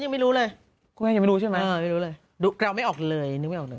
ไม่รู้หรอกฉันยังไม่รู้เลย